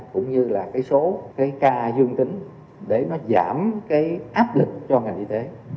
cũng như là cái số cái ca dương tính để nó giảm cái áp lực cho ngành y tế